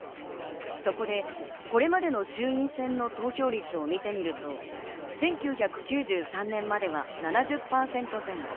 そこでこれまでの衆院選の投票率を見てみると、１９９３年までは７０％前後。